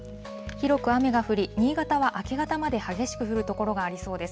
広く雨が降り、新潟は明け方まで激しく降る所がありそうです。